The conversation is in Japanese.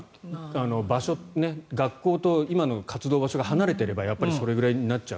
場所、学校と今の活動場所が離れていればそれぐらいになっちゃう。